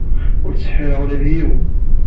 Ur ttseḥḥireɣ ula d yiwen.